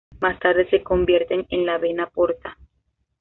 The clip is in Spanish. Más tarde se convierten en la vena porta.